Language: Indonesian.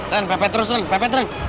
tahan pepet terus tuhan pepet terus